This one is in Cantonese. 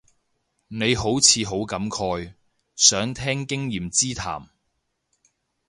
你好似好感慨，想聽經驗之談